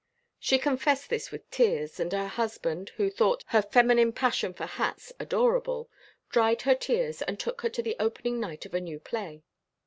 She confessed this with tears, and her husband, who thought her feminine passion for hats adorable, dried her tears and took her to the opening night of a new play.